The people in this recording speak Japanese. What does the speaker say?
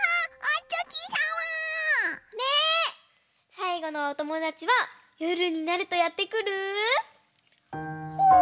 さいごのおともだちはよるになるとやってくるホーホー。